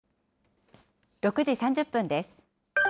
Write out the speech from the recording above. ６時３０分です。